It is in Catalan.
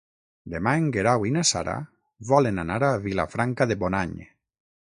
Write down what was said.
Demà en Guerau i na Sara volen anar a Vilafranca de Bonany.